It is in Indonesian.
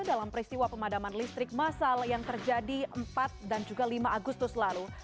dalam peristiwa pemadaman listrik masal yang terjadi empat dan juga lima agustus lalu